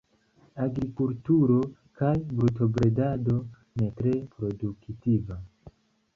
Agrikulturo kaj brutobredado, ne tre produktiva.